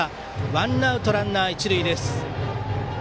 ワンアウトランナー、一塁です。